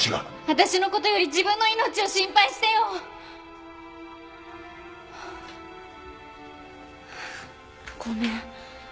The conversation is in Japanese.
私のことより自分の命を心配してよごめん